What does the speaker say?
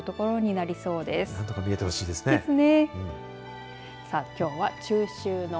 なんとか見えてほしいですね。